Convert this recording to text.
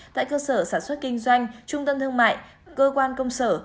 tại cơ sở sản xuất kinh doanh trung tâm thương mại cơ quan công sở